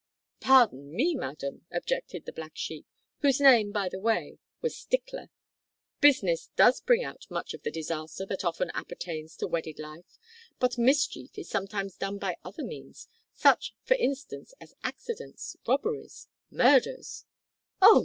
"Pardon me, madam," objected the black sheep, whose name, by the way, was Stickler, "business does bring about much of the disaster that often appertains to wedded life, but mischief is sometimes done by other means, such, for instance, as accidents, robberies, murders " "Oh!